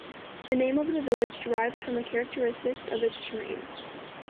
The name of the village derives from the characteristics of its terrain.